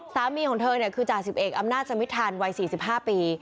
สามีของเธอคือจ่าสิบเอกอำนาจสมิททันวัย๔๕ปี